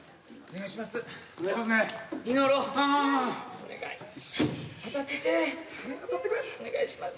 お願いします。